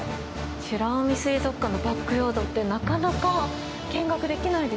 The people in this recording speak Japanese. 美ら海水族館のバックヤードってなかなか見学できないですよね。